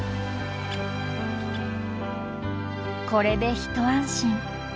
これで一安心。